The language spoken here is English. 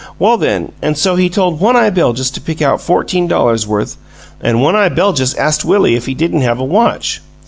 Well, then, an' so he told One eye Beljus to pick out fourteen dollars' worth, an' One eye Beljus ast Willie if he didn't have a watch.